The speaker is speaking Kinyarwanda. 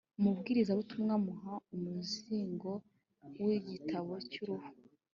Umubwirizabutumwa amuha umuzingo w’igitabo cy’uruhu